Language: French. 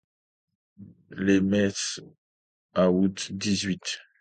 Les Metz, août dix-huit...